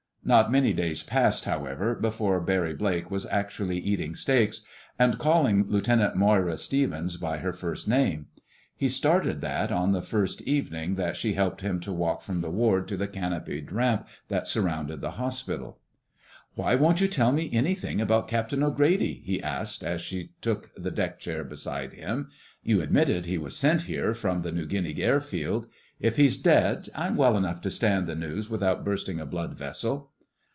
Not many days passed, however, before Barry Blake was actually eating steaks and calling Lieutenant Moira Stevens by her first name. He started that on the first evening that she helped him to walk from the ward to the canopied ramp that surrounded the hospital. "Why won't you tell me anything about Captain O'Grady?" he asked as she took the deck chair beside him. "You admitted he was sent here from the New Guinea airfield. If he's dead, I'm well enough to stand the news without bursting a blood vessel."